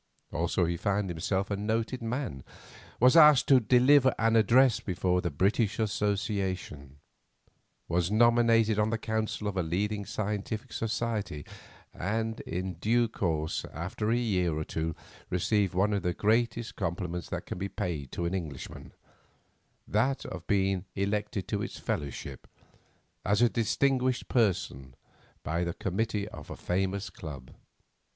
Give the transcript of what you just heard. Also he found himself a noted man; was asked to deliver an address before the British Association; was nominated on the council of a leading scientific society, and in due course after a year or two received one of the greatest compliments that can be paid to an Englishman, that of being elected to its fellowship, as a distinguished person, by the committee of a famous Club.